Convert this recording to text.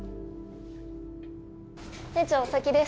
店長お先です